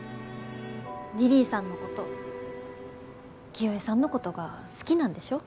リリィさんのこと清恵さんのことが好きなんでしょ？